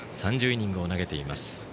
３０イニングを投げています。